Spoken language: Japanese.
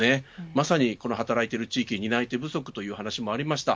まさに働いてる地域担い手不足の話がありました。